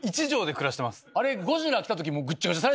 １帖で暮らしてます。